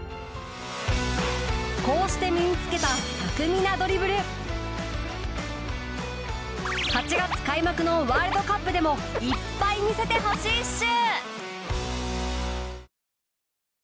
こうして身につけた８月開幕のワールドカップでもいっぱい見せてほしいっシュ！